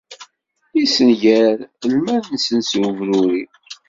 Issenger lmal-nsen s ubruri.